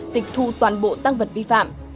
tịch thu toàn bộ tăng vật vi phạm